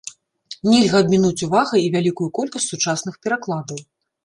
Нельга абмінуць увагай і вялікую колькасць сучасных перакладаў.